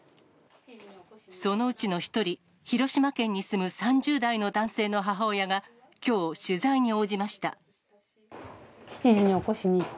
そのうちの一人、広島県に住む３０代の男性の母親が、きょう取材に応じました。